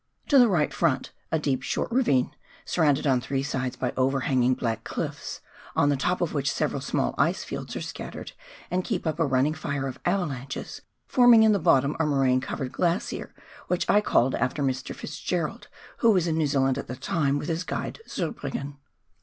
To the right front a deep short ravine, surrounded on three sides by overhanging black cliffs, on the top of which several small ice fields are scattered and keep up a running fire of avalanches, forming in the bottom a moraine covered glacier which I called after Mr. FitzGerald, who was in New Zealand at the time, with his guide Zurbriggen.